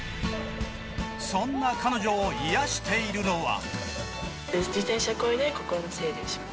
そんな彼女を癒しているのは。